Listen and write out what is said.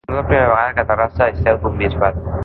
No és la primera vegada que Terrassa és seu d'un bisbat.